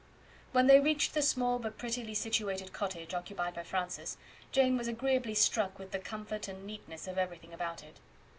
When they reached the small but prettily situated cottage occupied by Francis, Jane was agreeably struck with the comfort and neatness of everything about it.